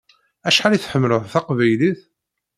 Acḥal i tḥemmleḍ taqbaylit?